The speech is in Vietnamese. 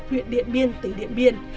huyện điện biên tỉnh điện biên